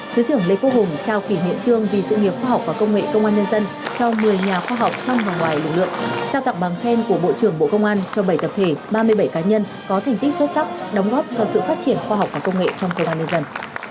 thứ trưởng lê quốc hùng trao kỷ niệm trương vì sự nghiệp khoa học và công nghệ công an nhân dân cho một mươi nhà khoa học trong và ngoài lực lượng trao tặng bằng khen của bộ trưởng bộ công an cho bảy tập thể ba mươi bảy cá nhân có thành tích xuất sắc đóng góp cho sự phát triển khoa học và công nghệ trong công an nhân dân